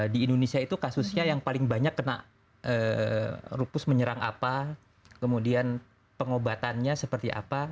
di indonesia itu kasusnya yang paling banyak kena lupus menyerang apa kemudian pengobatannya seperti apa